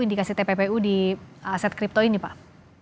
indikasi tppu di aset kripto ini pak